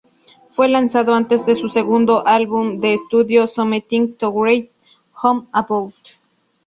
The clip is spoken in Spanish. Fue lanzado antes de su segundo álbum de estudio, Something To Write Home About.